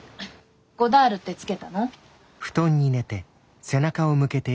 「ゴダール」って付けたの？